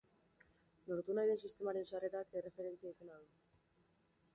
Lortu nahi den sistemaren sarrerak erreferentzia izena du.